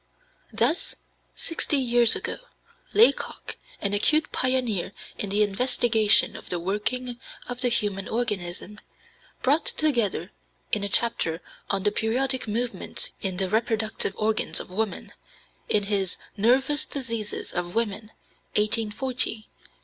Thus, sixty years ago, Laycock, an acute pioneer in the investigation of the working of the human organism, brought together (in a chapter on "The Periodic Movements in the Reproductive Organs of Woman," in his Nervous Diseases of Women, 1840, pp.